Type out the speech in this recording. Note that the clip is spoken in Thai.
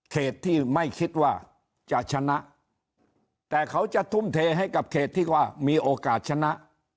ที่ไม่คิดว่าจะชนะแต่เขาจะทุ่มเทให้กับเขตที่ว่ามีโอกาสชนะ